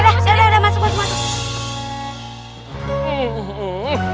udah udah udah masuk masuk